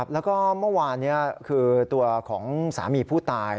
แล้วก็เมื่อวานนี้คือตัวของสามีผู้ตาย